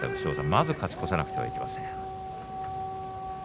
まず勝ち越さなくてはいけません。